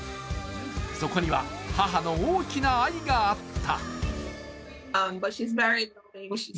そこには母の大きな愛があった。